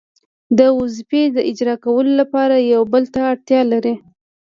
د وظیفې د اجرا کولو لپاره یو بل ته اړتیا لري.